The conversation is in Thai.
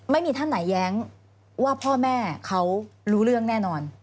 ไม่มีท่านไหนแย้งว่าพ่อแม่เขารู้เรื่องแน่นอน